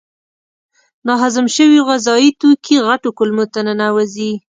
ناهضم شوي غذایي توکي غټو کولمو ته ننوزي.